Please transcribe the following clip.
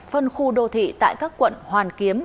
phân khu đô thị tại các quận hoàn kiếm